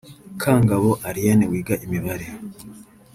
Kangabo Ariane wiga Imibare